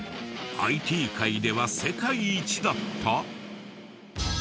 ＩＴ界では世界一だった！？